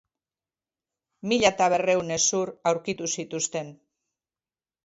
Mila eta berrehun hezur aurkitu zituzten.